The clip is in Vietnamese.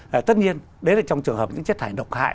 và tất nhiên đấy là trong trường hợp những chất thải độc hại